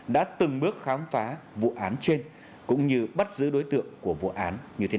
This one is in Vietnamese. đã từng bước khám phá vụ án trên cũng như bắt giữ đối tượng của vụ án như thế